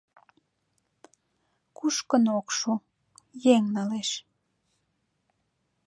Кушкын ок шу — еҥ налеш.